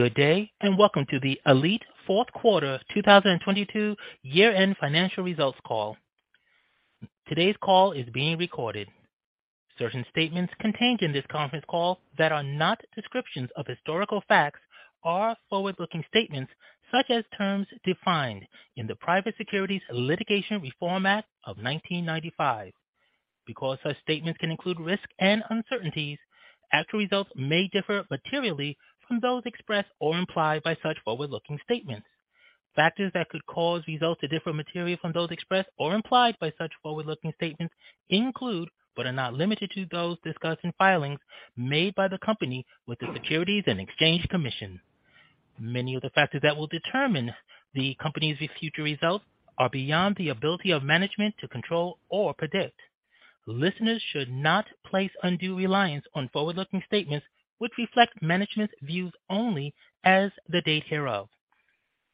Good day, and welcome to the ALLETE fourth quarter 2022 year-end financial results call. Today's call is being recorded. Certain statements contained in this conference call that are not descriptions of historical facts are forward-looking statements such as terms defined in the Private Securities Litigation Reform Act of 1995. Because such statements can include risks and uncertainties, actual results may differ materially from those expressed or implied by such forward-looking statements. Factors that could cause results to differ materially from those expressed or implied by such forward-looking statements include, but are not limited to, those discussed in filings made by the company with the Securities and Exchange Commission. Many of the factors that will determine the company's future results are beyond the ability of management to control or predict. Listeners should not place undue reliance on forward-looking statements, which reflect management's views only as the date hereof.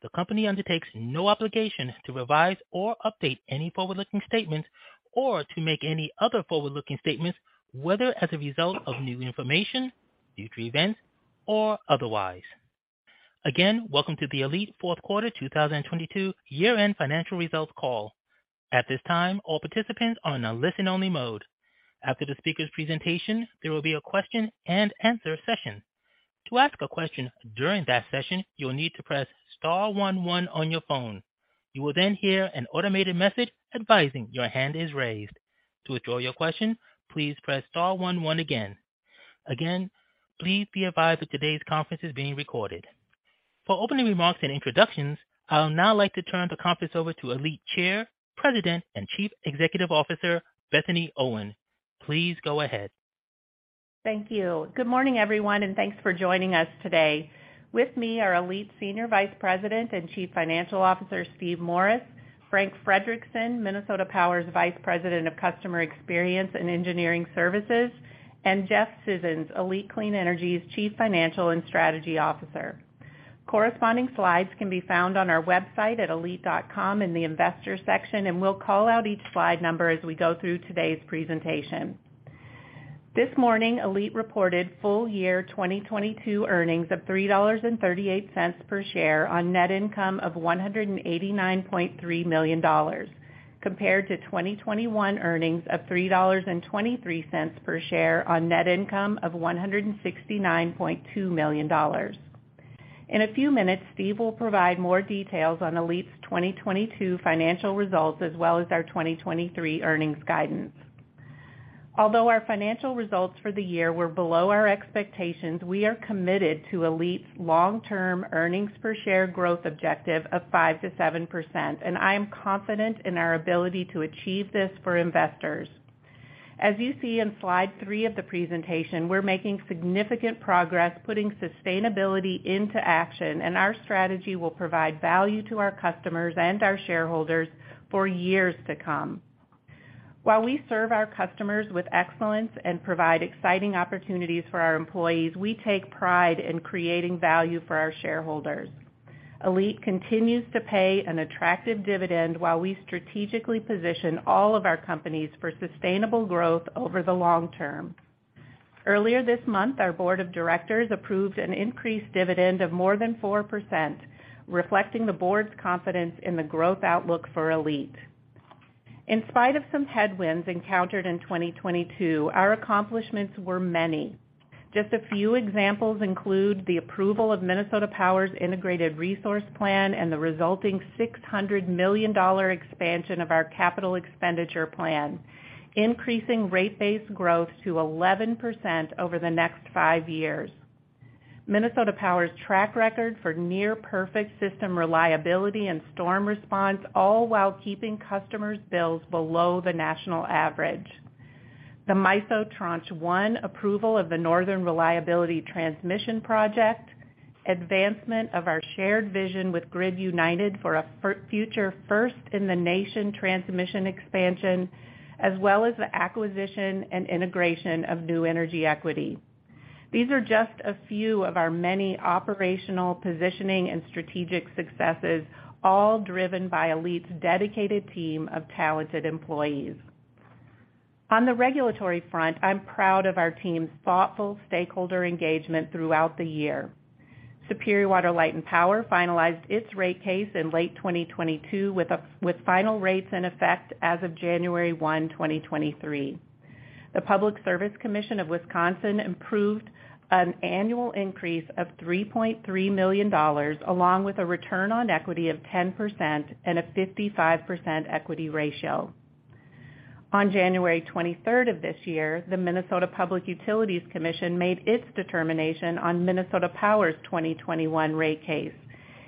The company undertakes no obligation to revise or update any forward-looking statements or to make any other forward-looking statements, whether as a result of new information, future events, or otherwise. Welcome to the ALLETE fourth quarter 2022 year-end financial results call. At this time, all participants are in a listen-only mode. After the speaker's presentation, there will be a question-and-answer session. To ask a question during that session, you will need to press star one one on your phone. You will hear an automated message advising your hand is raised. To withdraw your question, please press star one one again. Please be advised that today's conference is being recorded. For opening remarks and introductions, I would now like to turn the conference over to ALLETE Chair, President, and Chief Executive Officer, Bethany Owen. Please go ahead. Thank you. Good morning, everyone, and thanks for joining us today. With me are ALLETE Senior Vice President and Chief Financial Officer, Steve Morris; Frank Frederickson, Minnesota Power's Vice President of Customer Experience and Engineering Services; and Jeff Scissons, ALLETE Clean Energy's Chief Financial and Strategy Officer. Corresponding slides can be found on our website at allete.com in the Investors section, and we'll call out each slide number as we go through today's presentation. This morning, ALLETE reported full year 2022 earnings of $3.38 per share on net income of $189.3 million, compared to 2021 earnings of $3.23 per share on net income of $169.2 million. In a few minutes, Steve will provide more details on ALLETE's 2022 financial results as well as our 2023 earnings guidance. Although our financial results for the year were below our expectations, we are committed to ALLETE's long-term earnings per share growth objective of 5%-7%, and I am confident in our ability to achieve this for investors. As you see in slide 3 of the presentation, we're making significant progress putting sustainability into action, and our strategy will provide value to our customers and our shareholders for years to come. While we serve our customers with excellence and provide exciting opportunities for our employees, we take pride in creating value for our shareholders. ALLETE continues to pay an attractive dividend while we strategically position all of our companies for sustainable growth over the long term. Earlier this month, our board of directors approved an increased dividend of more than 4%, reflecting the board's confidence in the growth outlook for ALLETE. In spite of some headwinds encountered in 2022, our accomplishments were many. Just a few examples include the approval of Minnesota Power's Integrated Resource Plan and the resulting $600 million expansion of our capital expenditure plan, increasing rate base growth to 11% over the next five years. Minnesota Power's track record for near-perfect system reliability and storm response, all while keeping customers' bills below the national average. The MISO Tranche 1 approval of the Northern Reliability Transmission Project, advancement of our shared vision with Grid United for a future first-in-the-nation transmission expansion, as well as the acquisition and integration of New Energy Equity. These are just a few of our many operational positioning and strategic successes, all driven by ALLETE's dedicated team of talented employees. On the regulatory front, I'm proud of our team's thoughtful stakeholder engagement throughout the year. Superior Water, Light & Power finalized its rate case in late 2022 with final rates in effect as of January 1, 2023. The Public Service Commission of Wisconsin improved an annual increase of $3.3 million, along with a return on equity of 10% and a 55% equity ratio. On January 23rd of this year, the Minnesota Public Utilities Commission made its determination on Minnesota Power's 2021 rate case,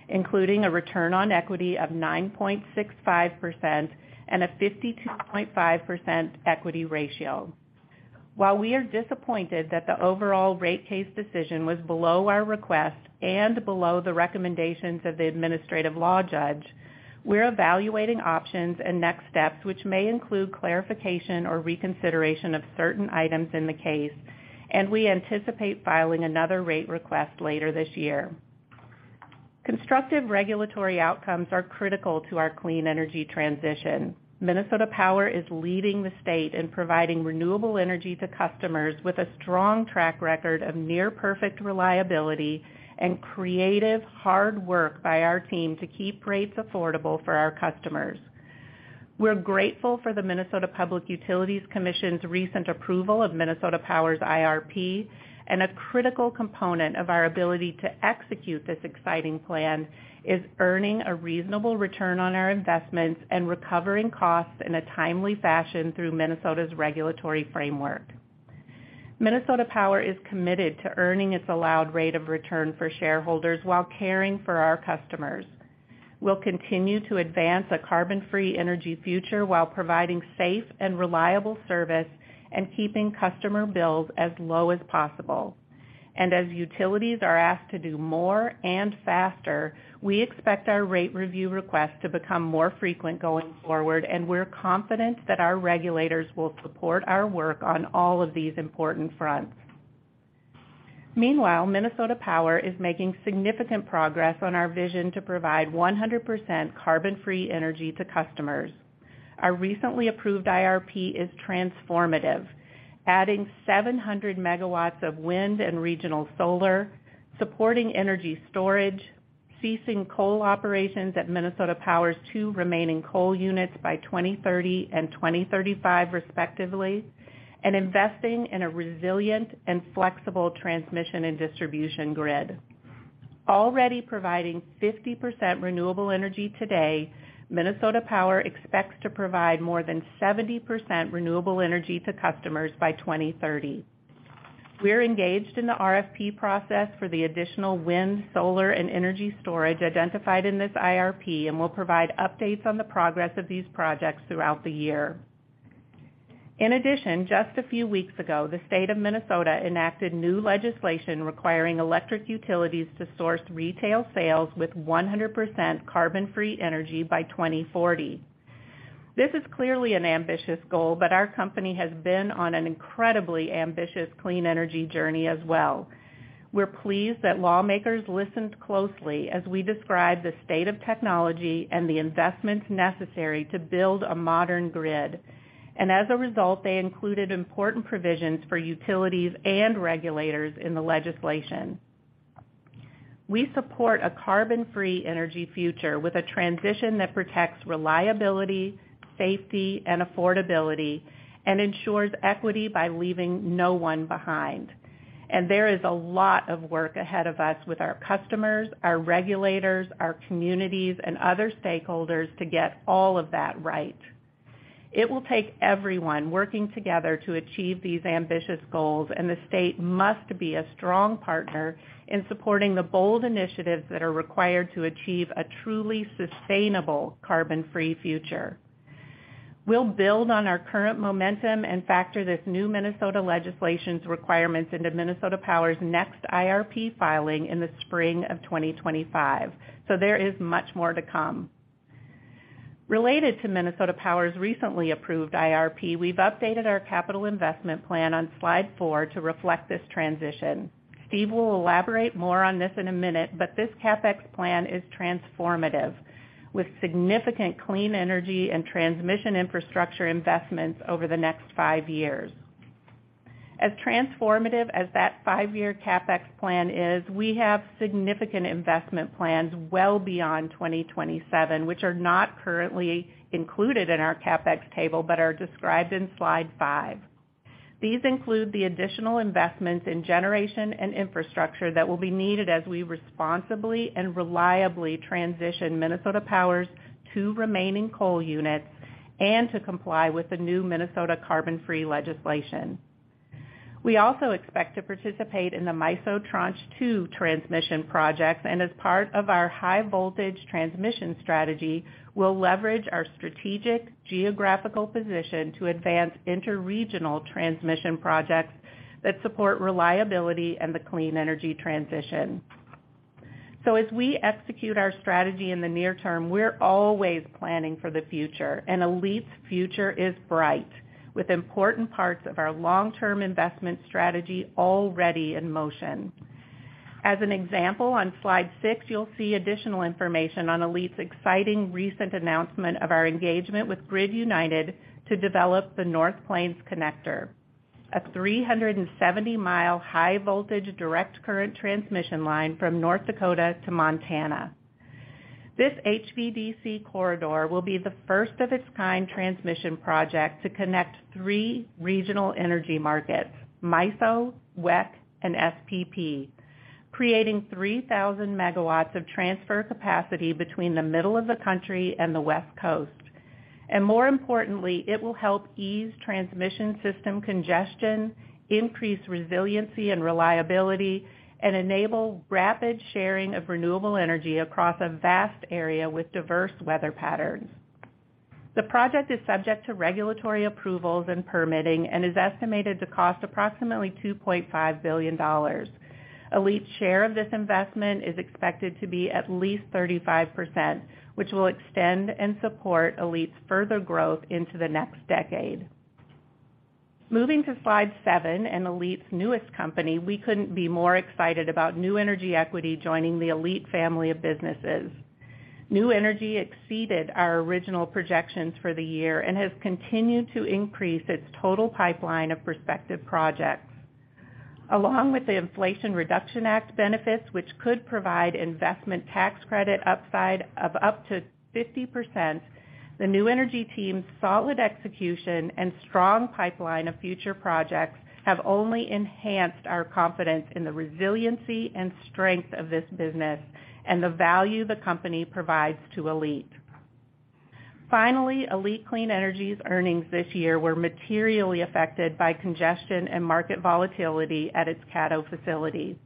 including a return on equity of 9.65% and a 52.5% equity ratio. While we are disappointed that the overall rate case decision was below our request and below the recommendations of the administrative law judge, we're evaluating options and next steps, which may include clarification or reconsideration of certain items in the case, and we anticipate filing another rate request later this year. Constructive regulatory outcomes are critical to our clean energy transition. Minnesota Power is leading the state in providing renewable energy to customers with a strong track record of near-perfect reliability and creative, hard work by our team to keep rates affordable for our customers. We're grateful for the Minnesota Public Utilities Commission's recent approval of Minnesota Power's IRP, and a critical component of our ability to execute this exciting plan is earning a reasonable return on our investments and recovering costs in a timely fashion through Minnesota's regulatory framework. Minnesota Power is committed to earning its allowed rate of return for shareholders while caring for our customers. We'll continue to advance a carbon-free energy future while providing safe and reliable service and keeping customer bills as low as possible. As utilities are asked to do more and faster, we expect our rate review requests to become more frequent going forward. We're confident that our regulators will support our work on all of these important fronts. Meanwhile, Minnesota Power is making significant progress on our vision to provide 100% carbon-free energy to customers. Our recently approved IRP is transformative, adding 700 megawatts of wind and regional solar, supporting energy storage, ceasing coal operations at Minnesota Power's two remaining coal units by 2030 and 2035 respectively, and investing in a resilient and flexible transmission and distribution grid. Already providing 50% renewable energy today, Minnesota Power expects to provide more than 70% renewable energy to customers by 2030. We're engaged in the RFP process for the additional wind, solar, and energy storage identified in this IRP and will provide updates on the progress of these projects throughout the year. In addition, just a few weeks ago, the state of Minnesota enacted new legislation requiring electric utilities to source retail sales with 100% carbon-free energy by 2040. This is clearly an ambitious goal, but our company has been on an incredibly ambitious clean energy journey as well. As a result, they included important provisions for utilities and regulators in the legislation. We support a carbon-free energy future with a transition that protects reliability, safety, and affordability and ensures equity by leaving no one behind. There is a lot of work ahead of us with our customers, our regulators, our communities, and other stakeholders to get all of that right. It will take everyone working together to achieve these ambitious goals, and the state must be a strong partner in supporting the bold initiatives that are required to achieve a truly sustainable carbon-free future. We'll build on our current momentum and factor this new Minnesota legislation's requirements into Minnesota Power's next IRP filing in the spring of 2025. There is much more to come. Related to Minnesota Power's recently approved IRP, we've updated our capital investment plan on slide four to reflect this transition. Steve will elaborate more on this in a minute. This CapEx plan is transformative, with significant clean energy and transmission infrastructure investments over the next five years. As transformative as that five-year CapEx plan is, we have significant investment plans well beyond 2027, which are not currently included in our CapEx table but are described in slide five. These include the additional investments in generation and infrastructure that will be needed as we responsibly and reliably transition Minnesota Power's 2 remaining coal units and to comply with the new Minnesota carbon-free legislation. We also expect to participate in the MISO Tranche 2 transmission projects. As part of our high voltage transmission strategy, we'll leverage our strategic geographical position to advance interregional transmission projects that support reliability and the clean energy transition. As we execute our strategy in the near term, we're always planning for the future, and ALLETE's future is bright, with important parts of our long-term investment strategy already in motion. As an example, on slide six, you'll see additional information on ALLETE's exciting recent announcement of our engagement with Grid United to develop the North Plains Connector, a 370-mile high-voltage direct current transmission line from North Dakota to Montana. This HVDC corridor will be the first of its kind transmission project to connect three regional energy markets, MISO, WECC, and SPP, creating 3,000 megawatts of transfer capacity between the middle of the country and the West Coast. More importantly, it will help ease transmission system congestion, increase resiliency and reliability, and enable rapid sharing of renewable energy across a vast area with diverse weather patterns. The project is subject to regulatory approvals and permitting and is estimated to cost approximately $2.5 billion. ALLETE's share of this investment is expected to be at least 35%, which will extend and support ALLETE's further growth into the next decade. Moving to slide seven and ALLETE's newest company, we couldn't be more excited about New Energy Equity joining the ALLETE family of businesses. New Energy exceeded our original projections for the year and has continued to increase its total pipeline of prospective projects. Along with the Inflation Reduction Act benefits, which could provide Investment Tax Credit upside of up to 50%, the New Energy team's solid execution and strong pipeline of future projects have only enhanced our confidence in the resiliency and strength of this business and the value the company provides to ALLETE. Finally, ALLETE Clean Energy's earnings this year were materially affected by congestion and market volatility at its Caddo facility.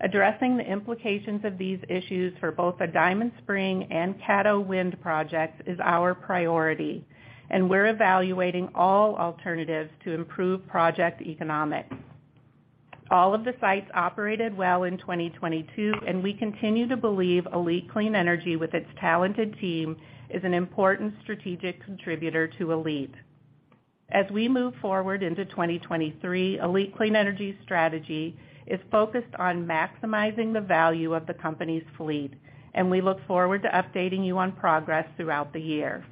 Addressing the implications of these issues for both the Diamond Spring and Caddo Wind projects is our priority, and we're evaluating all alternatives to improve project economics. All of the sites operated well in 2022, and we continue to believe ALLETE Clean Energy, with its talented team, is an important strategic contributor to ALLETE. As we move forward into 2023, ALLETE Clean Energy's strategy is focused on maximizing the value of the company's fleet, and we look forward to updating you on progress throughout the year.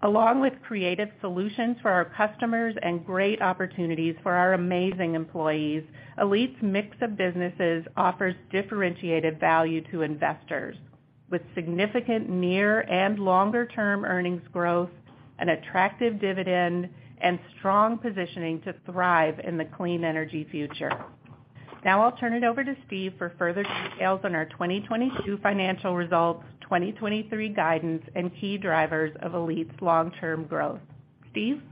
Along with creative solutions for our customers and great opportunities for our amazing employees, ALLETE's mix of businesses offers differentiated value to investors with significant near and longer-term earnings growth, an attractive dividend, and strong positioning to thrive in the clean energy future. Now I'll turn it over to Steve for further details on our 2022 financial results, 2023 guidance, and key drivers of ALLETE's long-term growth. Steve?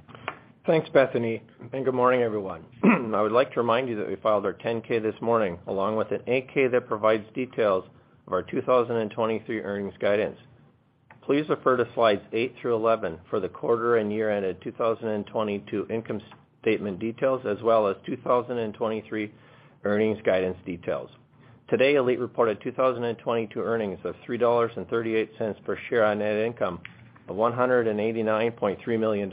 Thanks, Bethany, and good morning, everyone. I would like to remind you that we filed our 10-K this morning, along with an 8-K that provides details of our 2023 earnings guidance. Please refer to slides 8 through 11 for the quarter and year-ended 2022 income statement details as well as 2023 earnings guidance details. Today, ALLETE reported 2022 earnings of $3.38 per share on net income of $189.3 million.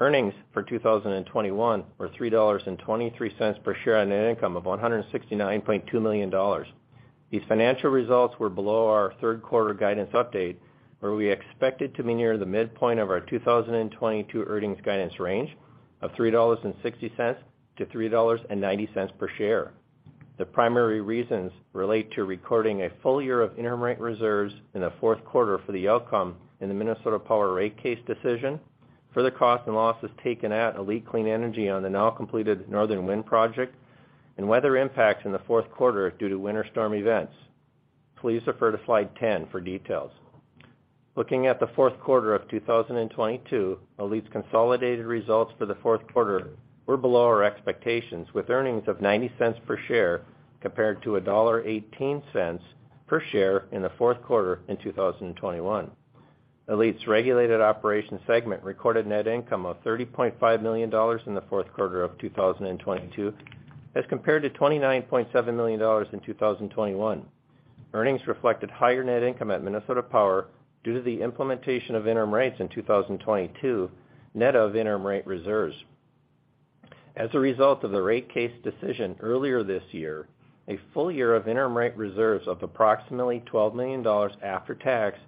Earnings for 2021 were $3.23 per share on net income of $169.2 million. These financial results were below our third quarter guidance update, where we expected to be near the midpoint of our 2022 earnings guidance range of $3.60 to $3.90 per share. The primary reasons relate to recording a full year of interim rate reserves in the fourth quarter for the outcome in the Minnesota Power rate case decision, further costs and losses taken at ALLETE Clean Energy on the now-completed Northern Wind project, and weather impacts in the fourth quarter due to winter storm events. Please refer to slide 10 for details. Looking at the fourth quarter of 2022, ALLETE's consolidated results for the fourth quarter were below our expectations, with earnings of $0.90 per share compared to $1.18 per share in the fourth quarter in 2021. ALLETE's regulated operations segment recorded net income of $30.5 million in the fourth quarter of 2022 as compared to $29.7 million in 2021. Earnings reflected higher net income at Minnesota Power due to the implementation of interim rates in 2022, net of interim rate reserves. As a result of the rate case decision earlier this year, a full year of interim rate reserves of approximately $12 million after tax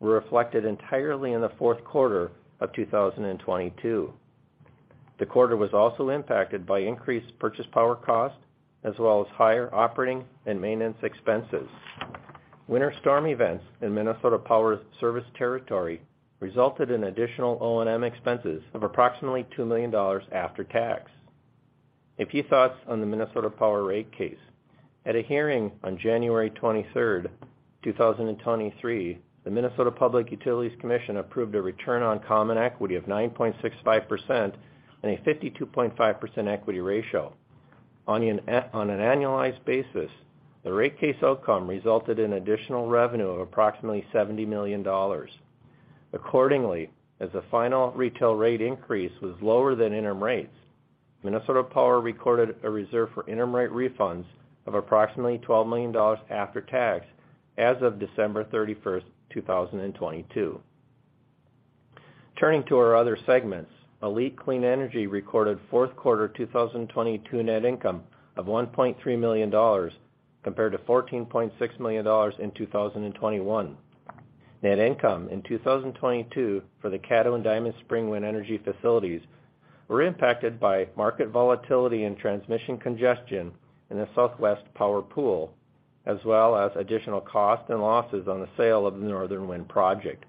were reflected entirely in the fourth quarter of 2022. The quarter was also impacted by increased purchase power cost as well as higher operating and maintenance expenses. Winter storm events in Minnesota Power's service territory resulted in additional O&M expenses of approximately $2 million after tax. A few thoughts on the Minnesota Power rate case. At a hearing on January 23rd, 2023, the Minnesota Public Utilities Commission approved a return on common equity of 9.65% on a 52.5% equity ratio. On an annualized basis, the rate case outcome resulted in additional revenue of approximately $70 million. Accordingly, as the final retail rate increase was lower than interim rates, Minnesota Power recorded a reserve for interim rate refunds of approximately $12 million after tax as of December 31st, 2022. Turning to our other segments, ALLETE Clean Energy recorded fourth quarter 2022 net income of $1.3 million compared to $14.6 million in 2021. Net income in 2022 for the Caddo and Diamond Spring Wind energy facilities were impacted by market volatility and transmission congestion in the Southwest Power Pool, as well as additional costs and losses on the sale of the Northern Wind project.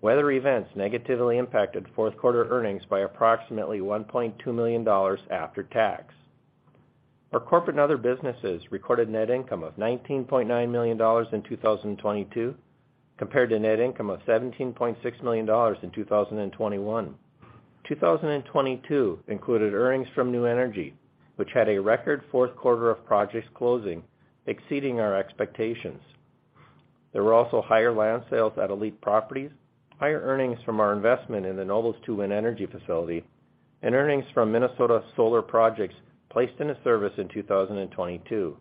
Weather events negatively impacted fourth quarter earnings by approximately $1.2 million after tax. Our corporate and other businesses recorded net income of $19.9 million in 2022 compared to net income of $17.6 million in 2021. 2022 included earnings from New Energy, which had a record fourth quarter of projects closing, exceeding our expectations. There were also higher land sales at ALLETE Properties, higher earnings from our investment in the Nobles 2 Wind energy facility, and earnings from Minnesota solar projects placed into service in 2022.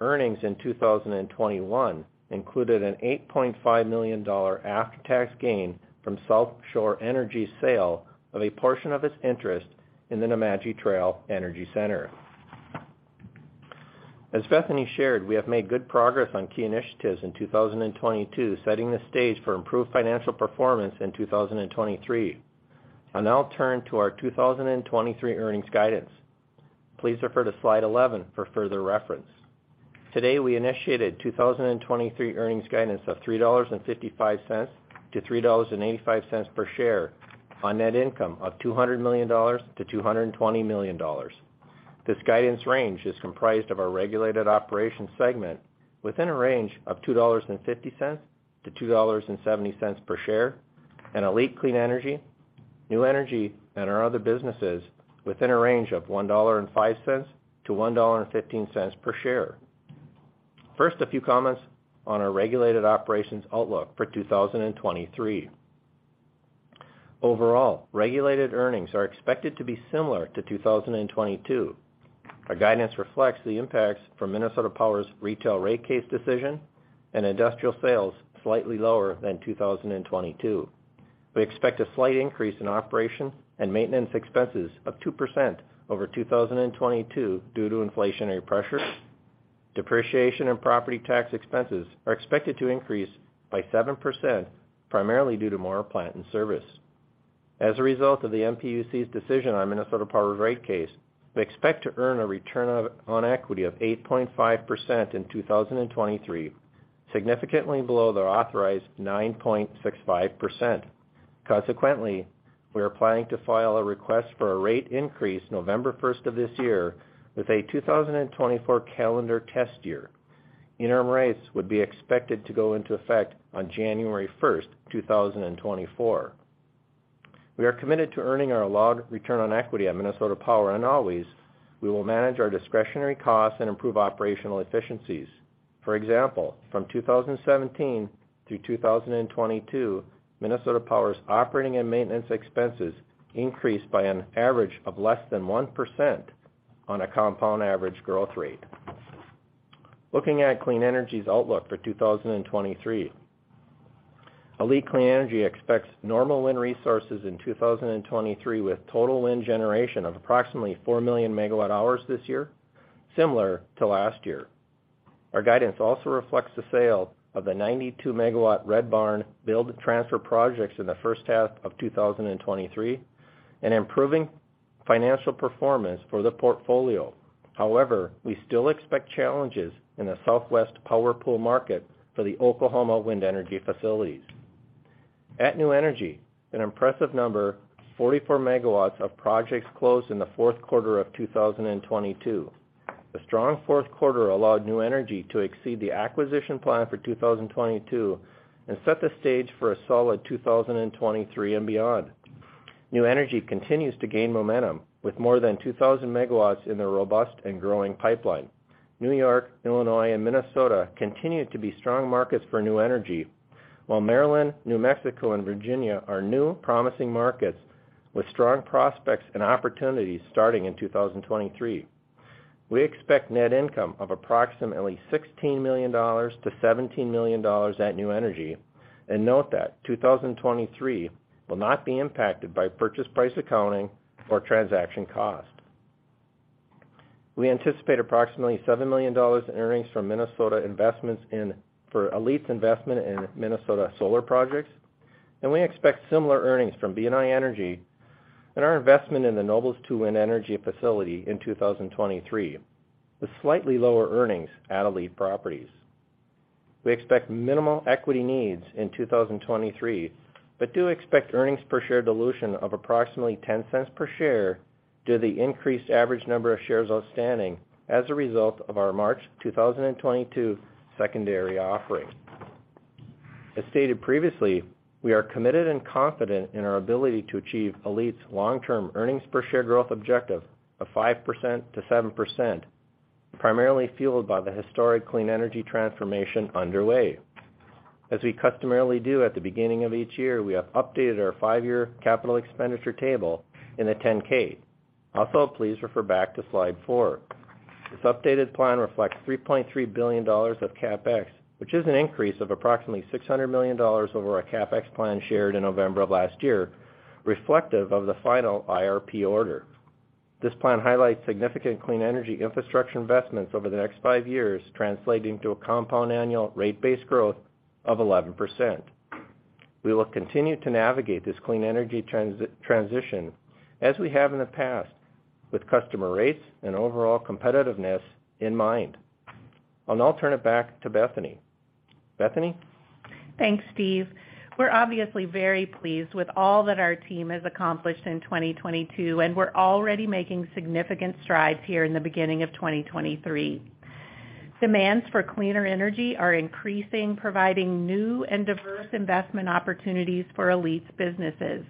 Earnings in 2021 included an $8.5 million after-tax gain from South Shore Energy's sale of a portion of its interest in the Nemadji Trail Energy Center. As Bethany shared, we have made good progress on key initiatives in 2022, setting the stage for improved financial performance in 2023. I'll now turn to our 2023 earnings guidance. Please refer to slide 11 for further reference. Today, we initiated 2023 earnings guidance of $3.55-$3.85 per share on net income of $200-220 million. This guidance range is comprised of our regulated operations segment within a range of $2.50-$2.70 per share, and ALLETE Clean Energy, New Energy, and our other businesses within a range of $1.05-$1.15 per share. First, a few comments on our regulated operations outlook for 2023. Overall, regulated earnings are expected to be similar to 2022. Our guidance reflects the impacts from Minnesota Power's retail rate case decision and industrial sales slightly lower than 2022. We expect a slight increase in operation and maintenance expenses of 2% over 2022 due to inflationary pressure. Depreciation and property tax expenses are expected to increase by 7%, primarily due to more plant and service. As a result of the MPUC's decision on Minnesota Power's rate case, we expect to earn a return on equity of 8.5% in 2023, significantly below the authorized 9.65%. Consequently, we are planning to file a request for a rate increase November 1 of this year with a 2024 calendar test year. Interim rates would be expected to go into effect on January 1, 2024. We are committed to earning our allowed return on equity at Minnesota Power, always we will manage our discretionary costs and improve operational efficiencies. For example, from 2017 through 2022, Minnesota Power's operating and maintenance expenses increased by an average of less than 1% on a compound average growth rate. Looking at Clean Energy's outlook for 2023. ALLETE Clean Energy expects normal wind resources in 2023, with total wind generation of approximately four million megawatt-hours this year, similar to last year. Our guidance also reflects the sale of the 92 megawatt Red Barn build-to-transfer projects in the first half of 2023 and improving financial performance for the portfolio. However, we still expect challenges in the Southwest Power Pool market for the Oklahoma wind energy facilities. At New Energy, an impressive number, 44 megawatts of projects closed in the fourth quarter of 2022. The strong fourth quarter allowed New Energy to exceed the acquisition plan for 2022 and set the stage for a solid 2023 and beyond. New Energy continues to gain momentum, with more than 2,000 megawatts in the robust and growing pipeline. New York, Illinois, and Minnesota continue to be strong markets for New Energy, while Maryland, New Mexico, and Virginia are new promising markets with strong prospects and opportunities starting in 2023. We expect net income of approximately $16-17 million at New Energy. Note that 2023 will not be impacted by purchase price accounting or transaction cost. We anticipate approximately $7 million in earnings from Minnesota investments for ALLETE's investment in Minnesota solar projects. We expect similar earnings from BNI Energy and our investment in the Nobles 2 Wind energy facility in 2023, with slightly lower earnings at ALLETE Properties. We expect minimal equity needs in 2023, but do expect earnings per share dilution of approximately $0.10 per share due to the increased average number of shares outstanding as a result of our March 2022 secondary offering. As stated previously, we are committed and confident in our ability to achieve ALLETE's long-term earnings per share growth objective of 5%-7%, primarily fueled by the historic clean energy transformation underway. As we customarily do at the beginning of each year, we have updated our 5-year capital expenditure table in the 10-K. Also, please refer back to slide four. This updated plan reflects $3.3 billion of CapEx, which is an increase of approximately $600 million over our CapEx plan shared in November of last year, reflective of the final IRP order. This plan highlights significant clean energy infrastructure investments over the next five years, translating to a compound annual rate base growth of 11%. We will continue to navigate this clean energy transition as we have in the past, with customer rates and overall competitiveness in mind. I'll now turn it back to Bethany. Bethany? Thanks, Steve. We're obviously very pleased with all that our team has accomplished in 2022, and we're already making significant strides here in the beginning of 2023. Demands for cleaner energy are increasing, providing new and diverse investment opportunities for ALLETE's businesses.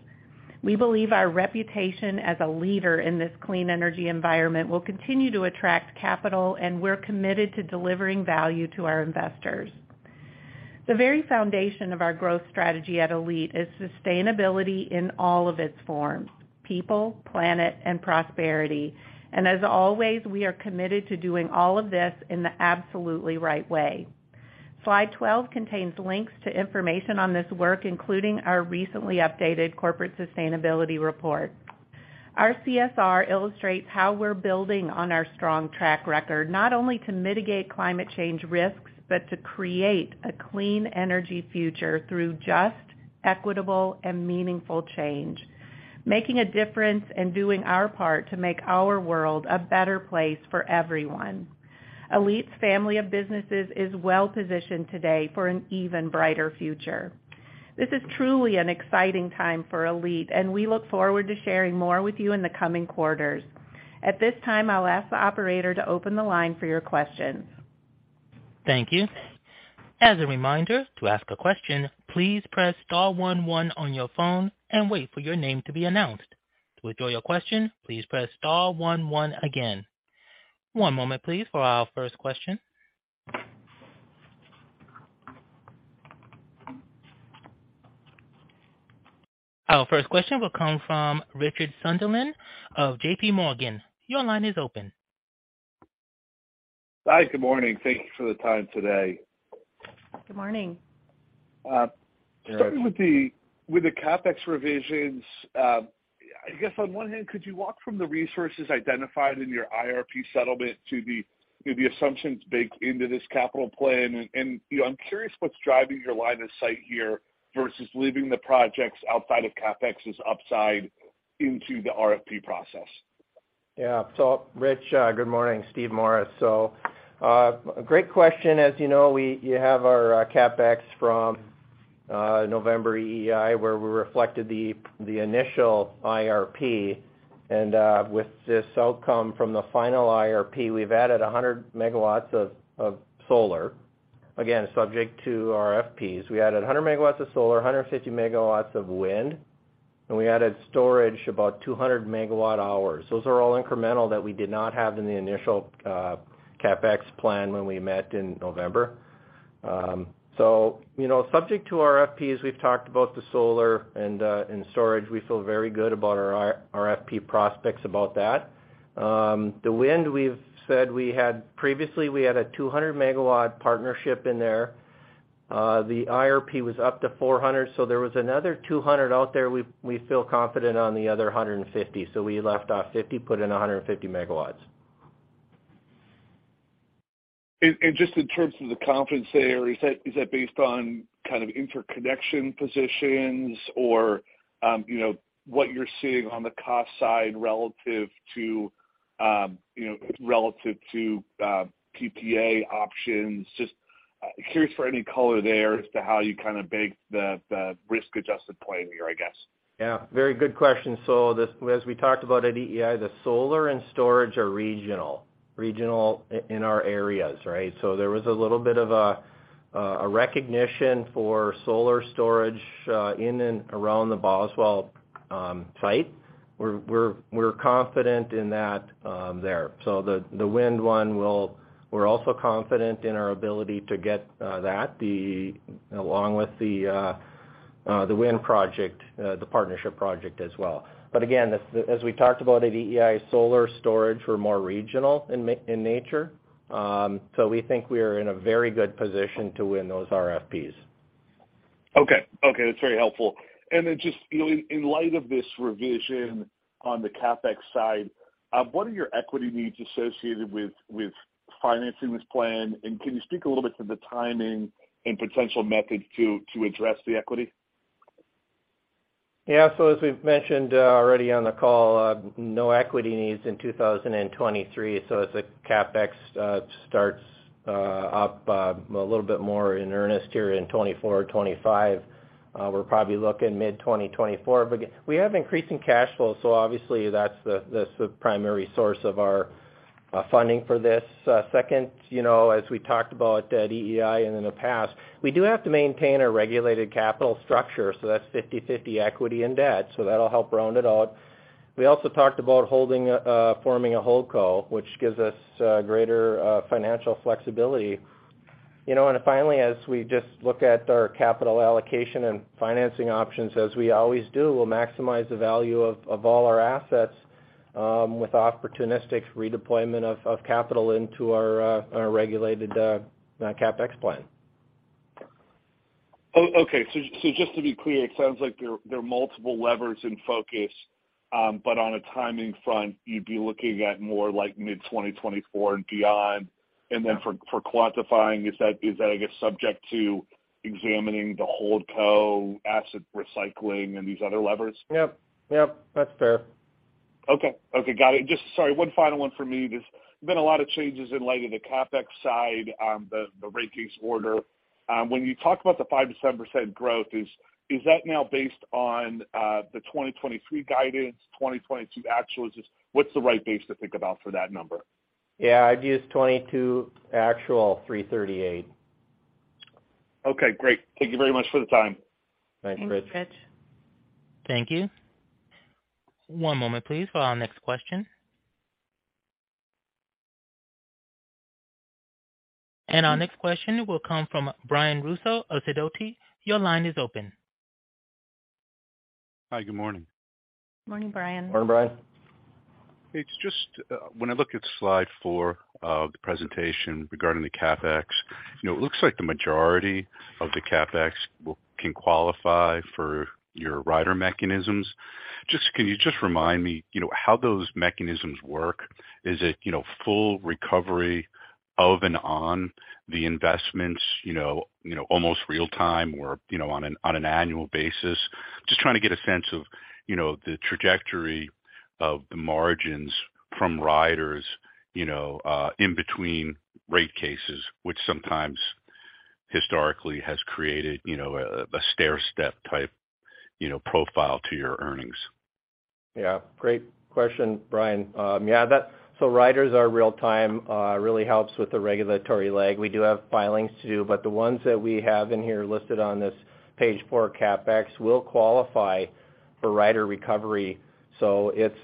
We believe our reputation as a leader in this clean energy environment will continue to attract capital, and we're committed to delivering value to our investors. The very foundation of our growth strategy at ALLETE is sustainability in all of its forms: people, planet, and prosperity. As always, we are committed to doing all of this in the absolutely right way. Slide 12 contains links to information on this work, including our recently updated corporate sustainability report. Our CSR illustrates how we're building on our strong track record, not only to mitigate climate change risks, but to create a clean energy future through just, equitable, and meaningful change, making a difference and doing our part to make our world a better place for everyone. ALLETE's family of businesses is well-positioned today for an even brighter future. This is truly an exciting time for ALLETE, and we look forward to sharing more with you in the coming quarters. At this time, I'll ask the operator to open the line for your questions. Thank you. As a reminder, to ask a question, please press star one one on your phone and wait for your name to be announced. To withdraw your question, please press star one one again. One moment please for our first question. Our first question will come from Richard Sunderland of J.P. Morgan. Your line is open. Hi, good morning. Thank you for the time today. Good morning. Starting with the CapEx revisions, I guess on one hand, could you walk from the resources identified in your IRP settlement to the assumptions baked into this capital plan? You know, I'm curious what's driving your line of sight here versus leaving the projects outside of CapEx's upside into the RFP process. Yeah. Rich, good morning. Steve Morris. A great question. As you know, you have our CapEx from November EEI, where we reflected the initial IRP. With this outcome from the final IRP, we've added 100 megawatts of solar, again, subject to RFPs. We added 100 megawatts of solar, 150 megawatts of wind, and we added storage about 200 megawatt-hours. Those are all incremental that we did not have in the initial CapEx plan when we met in November. You know, subject to RFPs, we've talked about the solar and storage. We feel very good about our RFP prospects about that. The wind we've said we had previously, we had a 200 megawatt partnership in there. The IRP was up to 400. There was another 200 out there. We feel confident on the other 150. We left off 50, put in 150 megawatts. Just in terms of the confidence there, is that based on kind of interconnection positions or, you know, what you're seeing on the cost side relative to, you know, relative to PPA options? Just curious for any color there as to how you kind of bake the risk-adjusted plan here, I guess. Yeah, very good question. As we talked about at EEI, the solar and storage are regional in our areas, right? There was a little bit of a recognition for solar storage in and around the Boswell site. We're confident in that there. The wind one we're also confident in our ability to get that along with the wind project, the partnership project as well. Again, as we talked about at EEI, solar storage, we're more regional in nature. We think we are in a very good position to win those RFPs. Okay, that's very helpful. Just, you know, in light of this revision on the CapEx side, what are your equity needs associated with financing this plan? Can you speak a little bit to the timing and potential methods to address the equity? Yeah. As we've mentioned already on the call, no equity needs in 2023. As the CapEx starts up a little bit more in earnest here in 2024 or 2025, we're probably looking mid-2024. Again, we have increasing cash flow, so obviously that's the primary source of our funding for this. Second, you know, as we talked about at EEI and in the past, we do have to maintain a regulated capital structure, so that's 50/50 equity and debt, so that'll help round it out. We also talked about holding, forming a HoldCo, which gives us greater financial flexibility. You know, finally, as we just look at our capital allocation and financing options as we always do, we'll maximize the value of all our assets, with opportunistic redeployment of capital into our regulated CapEx plan. Okay. Just to be clear, it sounds like there are multiple levers in focus. But on a timing front, you'd be looking at more like mid-2024 and beyond. Yeah. For quantifying, is that, I guess, subject to examining the HoldCo asset recycling and these other levers? Yep. That's fair. Okay. Okay, got it. Just sorry, one final one for me. There's been a lot of changes in light of the CapEx side, the ratings order. When you talk about the 5%-7% growth, is that now based on the 2023 guidance, 2022 actuals? Just what's the right base to think about for that number? Yeah, I'd use 22 actual 338. Okay, great. Thank you very much for the time. Thanks, Rich. Thanks, Rich. Thank you. One moment please for our next question. Our next question will come from Brian Russo of Sidoti. Your line is open. Hi. Good morning. Morning, Brian. Morning, Brian. It's just, when I look at slide six of the presentation regarding the CapEx, you know, it looks like the majority of the CapEx can qualify for your rider mechanisms. Can you just remind me, you know, how those mechanisms work? Is it, you know, full recovery of and on the investments, you know, almost real time or, you know, on an annual basis? Just trying to get a sense of, you know, the trajectory of the margins from riders, you know, in between rate cases, which sometimes historically has created, you know, a stairstep type, you know, profile to your earnings. Yeah. Great question, Brian. Yeah, riders are real-time, really helps with the regulatory lag. We do have filings to do, but the ones that we have in here listed on this page four CapEx will qualify for rider recovery. It's,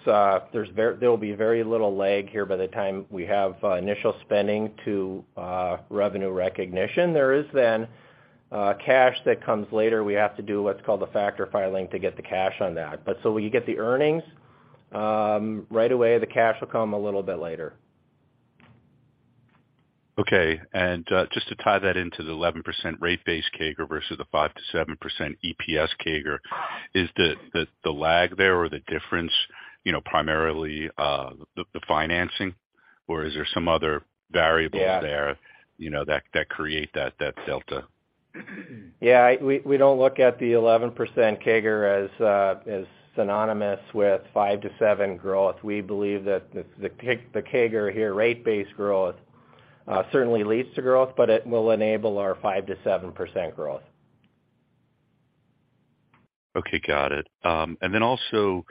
they'll be very little lag here by the time we have initial spending to revenue recognition. There is then cash that comes later. We have to do what's called a factor filing to get the cash on that. You get the earnings right away, the cash will come a little bit later. Okay. Just to tie that into the 11% rate base CAGR versus the 5%-7% EPS CAGR, is the lag there or the difference, you know, primarily, the financing, or is there some other variables... Yeah. -there, you know, that create that delta? Yeah. We don't look at the 11% CAGR as synonymous with 5% to 7% growth. We believe that the CAGR here, rate-based growth, certainly leads to growth, but it will enable our 5% to 7% growth. Okay. Got it. Also,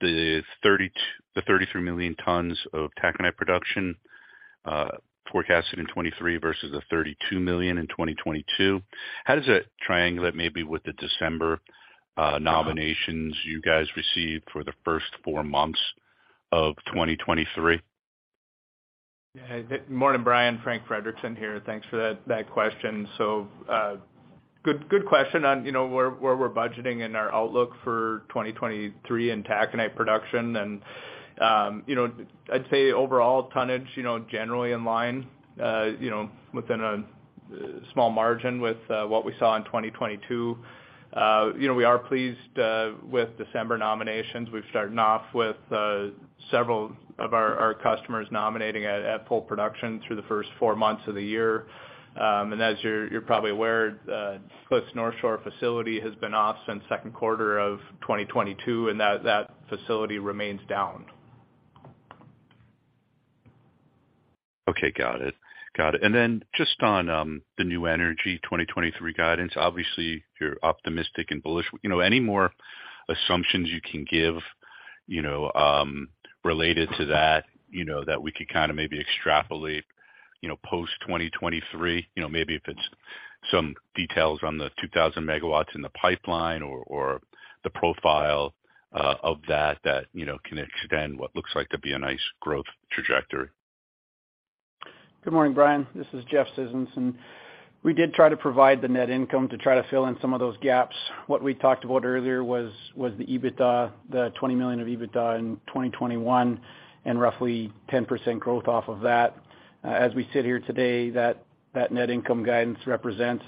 the 33 million tons of taconite production, forecasted in 2023 versus the 32 million in 2022, how does it triangulate maybe with the December nominations you guys received for the first four months of 2023? Yeah. Morning, Brian. Frank Frederickson here. Thanks for that question. Good question on, you know, where we're budgeting in our outlook for 2023 in taconite production. You know, I'd say overall tonnage, you know, generally in line, you know, within a small margin with what we saw in 2022. You know, we are pleased with December nominations. We've started off with several of our customers nominating at full production through the first four months of the year. As you're probably aware, Cliffs Northshore facility has been off since second quarter of 2022, and that facility remains down. Okay. Got it. Then just on, the New Energy 2023 guidance, obviously you're optimistic and bullish. You know, any more assumptions you can give, you know, related to that, you know, that we could kind of maybe extrapolate, you know, post 2023? You know, maybe if it's some details on the 2,000 megawatts in the pipeline or the profile, of that, you know, can extend what looks like to be a nice growth trajectory. Good morning, Brian. This is Jeff Scissons. We did try to provide the net income to try to fill in some of those gaps. What we talked about earlier was the EBITDA, the $20 million of EBITDA in 2021 and roughly 10% growth off of that. As we sit here today, that net income guidance represents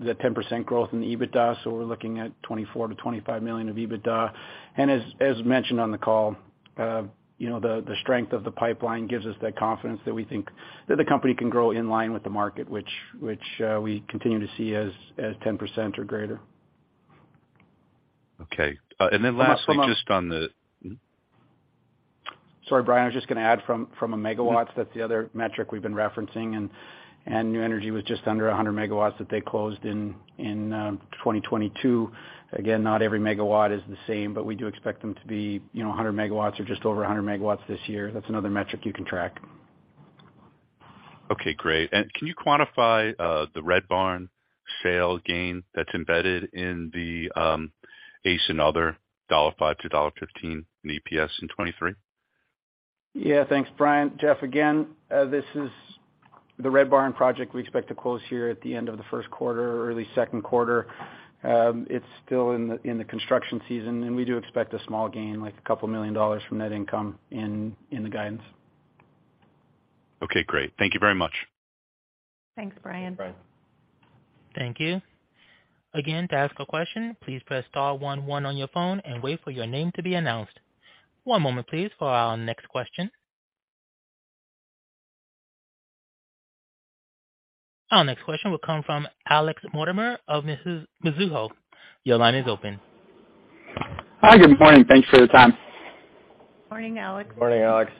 the 10% growth in the EBITDA, so we're looking at $24 million-$25 million of EBITDA. As mentioned on the call, you know, the strength of the pipeline gives us that confidence that we think that the company can grow in line with the market which we continue to see as 10% or greater. Okay. then lastly. From a........ Mm-hmm. Sorry, Brian. I was just gonna add from a megawatts, that's the other metric we've been referencing and New Energy was just under 100 megawatts that they closed in 2022. Again, not every megawatt is the same, but we do expect them to be, you know, 100 megawatts or just over 100 megawatts this year. That's another metric you can track. Okay. Great. Can you quantify the Red Barn sale gain that's embedded in the ACE and other $0.05-$0.15 in EPS in 2023? Yeah. Thanks, Brian. Jeff again, this is the Red Barn project we expect to close here at the end of the first quarter or early second quarter. It's still in the construction season, and we do expect a small gain, like a couple million dollars from net income in the guidance. Okay. Great. Thank you very much. Thanks, Brian. Thanks, Brian. Thank you. Again, to ask a question, please press star one one on your phone and wait for your name to be announced. One moment please for our next question. Our next question will come from Alex Mortimer of Mizuho. Your line is open. Hi. Good morning. Thanks for the time. Morning, Alex. Morning, Alex.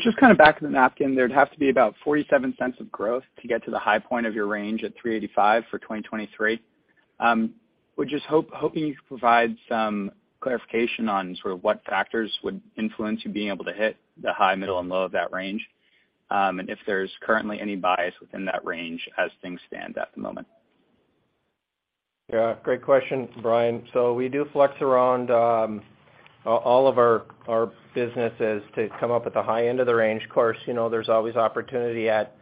Just kind of back to the napkin, there'd have to be about $0.47 of growth to get to the high point of your range at $3.85 for 2023. Was just hoping you could provide some clarification on sort of what factors would influence you being able to hit the high, middle, and low of that range, and if there's currently any bias within that range as things stand at the moment? Yeah, great question, Brian. We do flex around all of our businesses to come up with the high end of the range. Of course, you know, there's always opportunity at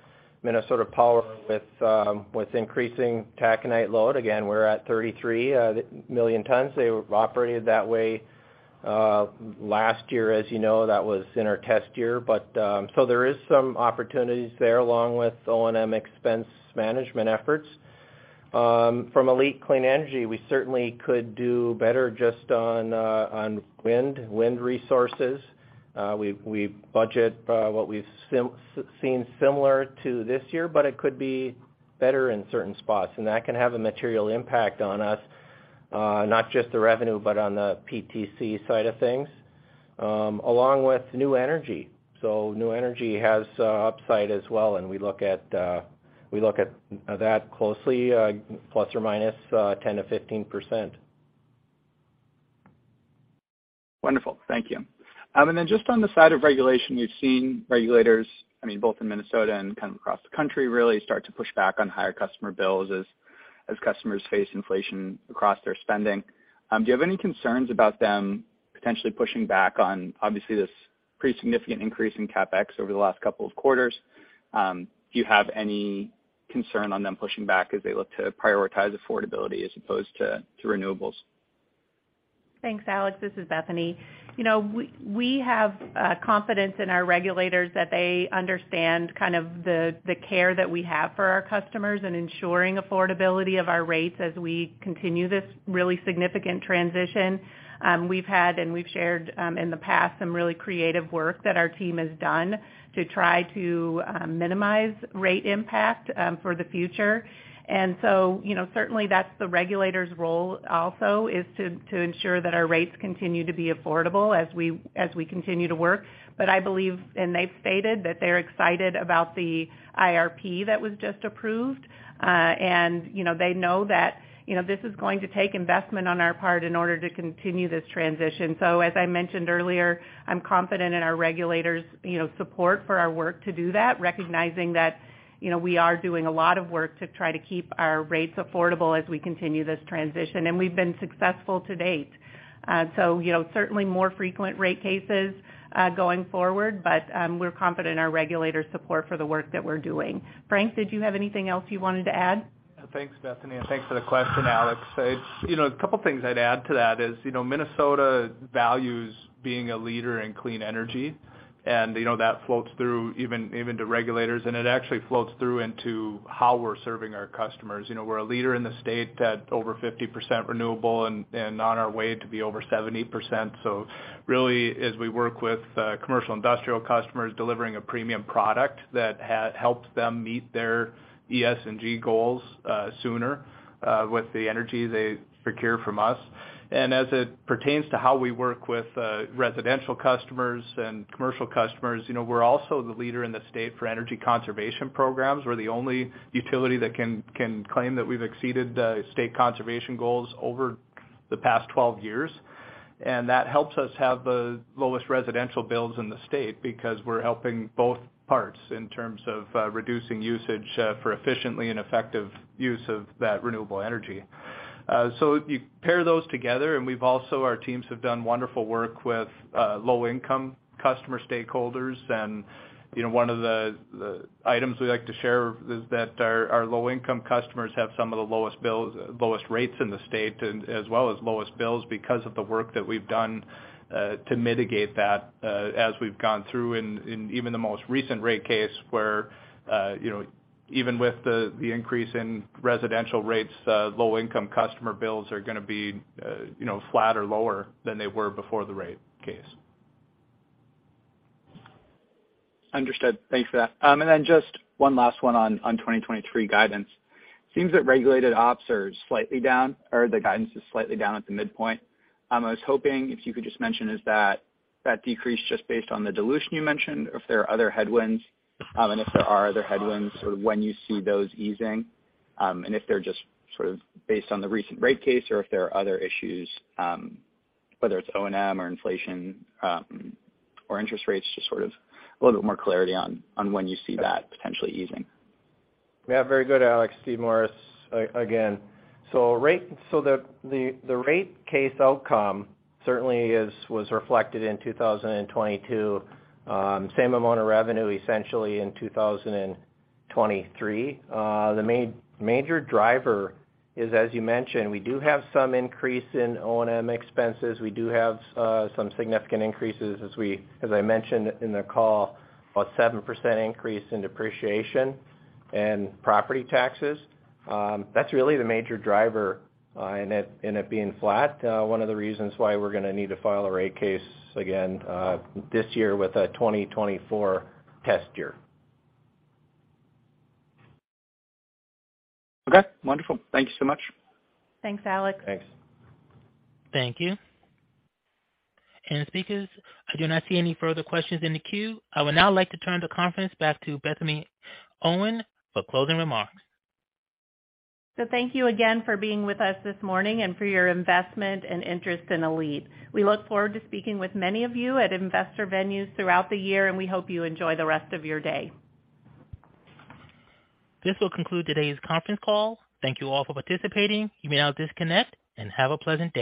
Minnesota Power with increasing taconite load. Again, we're at 33 million tons. They operated that way last year, as you know, that was in our test year. There is some opportunities there along with O&M expense management efforts. From ALLETE Clean Energy, we certainly could do better just on wind resources. We budget what we've seen similar to this year, but it could be better in certain spots, and that can have a material impact on us, not just the revenue, but on the PTC side of things, along with New Energy. New Energy has upside as well, and we look at that closely, ±10%-15%. Wonderful. Thank you. Then just on the side of regulation, you've seen regulators, I mean, both in Minnesota and kind of across the country, really start to push back on higher customer bills as customers face inflation across their spending. Do you have any concerns about them potentially pushing back on obviously this pretty significant increase in CapEx over the last 2 quarters? Do you have any concern on them pushing back as they look to prioritize affordability as opposed to renewables? Thanks, Alex. This is Bethany. You know, we have confidence in our regulators that they understand kind of the care that we have for our customers and ensuring affordability of our rates as we continue this really significant transition. We've had and we've shared in the past some really creative work that our team has done to try to minimize rate impact for the future. You know, certainly that's the regulator's role also is to ensure that our rates continue to be affordable as we continue to work. I believe, and they've stated, that they're excited about the IRP that was just approved, and, you know, they know that, you know, this is going to take investment on our part in order to continue this transition. As I mentioned earlier, I'm confident in our regulators', you know, support for our work to do that, recognizing that, you know, we are doing a lot of work to try to keep our rates affordable as we continue this transition. We've been successful to date. You know, certainly more frequent rate cases going forward, but we're confident in our regulators' support for the work that we're doing. Frank, did you have anything else you wanted to add? Thanks, Bethany. Thanks for the question, Alex. It's, you know, a couple of things I'd add to that is, you know, Minnesota values being a leader in clean energy. You know, that floats through even to regulators, and it actually floats through into how we're serving our customers. You know, we're a leader in the state at over 50% renewable and on our way to be over 70%. Really as we work with commercial industrial customers delivering a premium product that helps them meet their ESG goals sooner with the energy they procure from us. As it pertains to how we work with residential customers and commercial customers, you know, we're also the leader in the state for energy conservation programs. We're the only utility that can claim that we've exceeded the state conservation goals over the past 12 years. That helps us have the lowest residential bills in the state because we're helping both parts in terms of reducing usage, for efficiently and effective use of that renewable energy. You pair those together, our teams have done wonderful work with low-income customer stakeholders. You know, one of the items we like to share is that our low-income customers have some of the lowest rates in the state and as well as lowest bills because of the work that we've done to mitigate that as we've gone through in even the most recent rate case where, you know, even with the increase in residential rates, low-income customer bills are gonna be, you know, flat or lower than they were before the rate case. Understood. Thanks for that. Just one last one on 2023 guidance. Seems that regulated ops are slightly down, or the guidance is slightly down at the midpoint. I was hoping if you could just mention, is that decrease just based on the dilution you mentioned, or if there are other headwinds? If there are other headwinds, sort of when you see those easing, and if they're just sort of based on the recent rate case or if there are other issues, whether it's O&M or inflation, or interest rates, just sort of a little bit more clarity on when you see that potentially easing. Very good, Alex. Steve Morris again. The rate case outcome certainly was reflected in 2022. Same amount of revenue essentially in 2023. The major driver is, as you mentioned, we do have some increase in O&M expenses. We do have some significant increases as I mentioned in the call, a 7% increase in depreciation and property taxes. That's really the major driver in it being flat. One of the reasons why we're gonna need to file a rate case again this year with a 2024 test year. Okay, wonderful. Thank you so much. Thanks, Alex. Thanks. Thank you. Speakers, I do not see any further questions in the queue. I would now like to turn the conference back to Bethany Owen for closing remarks. Thank you again for being with us this morning and for your investment and interest in ALLETE. We look forward to speaking with many of you at investor venues throughout the year, and we hope you enjoy the rest of your day. This will conclude today's conference call. Thank you all for participating. You may now disconnect and have a pleasant day.